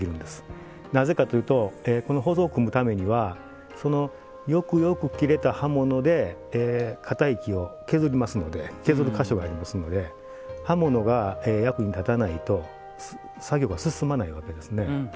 なぜかというとこのほぞを組むためにはよくよく切れた刃物で堅い木を削りますので削る箇所がありますので刃物が役に立たないと作業が進まないわけですね。